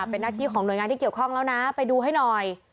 เป็นหน้าที่ของหน่วยงานที่เกี่ยวข้องแล้วนะไปดูให้หน่อย